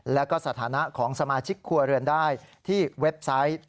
แล้วก็สถานะของสมาชิกครัวเรือนได้ที่เว็บไซต์